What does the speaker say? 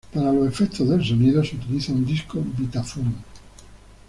Para los efectos de sonido, se utilizó un disco "Vitaphone".